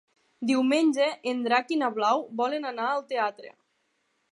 Diumenge en Drac i na Blau volen anar al teatre.